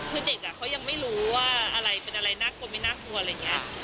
คือเด็กเขายังไม่รู้ว่าอะไรเป็นอะไรน่ากลัวไม่น่ากลัวอะไรอย่างนี้